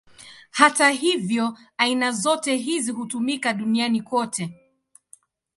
Hata hivyo, aina zote hizi hutumika duniani kote.